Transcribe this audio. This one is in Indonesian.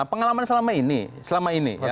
pengalaman selama ini